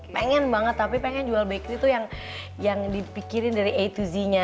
pengen banget tapi pengen jual bakery tuh yang dipikirin dari a to z nya